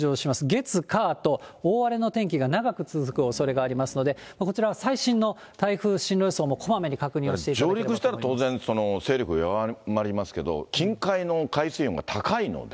月、火と大荒れの天気が長く続くおそれがありますので、こちらは最新の台風進路予想も、こまめに確認をしていただきたい上陸したら当然、勢力は弱まりますけど、近海の海水温が高いので、